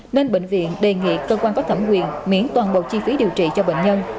nên bệnh viện đề nghị cơ quan có thẩm quyền miễn toàn bộ chi phí điều trị cho bệnh nhân